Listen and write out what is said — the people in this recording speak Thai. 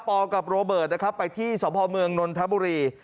กับโรเบิร์ตนะครับไปที่สพเมืองนนทบุรี